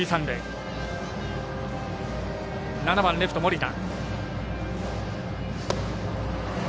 ７番レフト、森田。